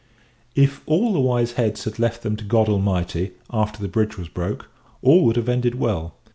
If all the wise heads had left them to God Almighty, after the bridge was broke, all would have ended well!